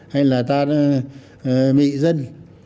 hay là ta bị dân